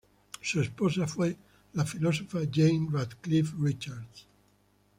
Su esposa fue la filósofa Janet Radcliffe Richards.